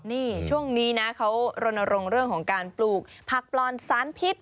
นี่ช่วงนี้นะเขารณรงค์เรื่องของการปลูกผักปลอนสารพิษ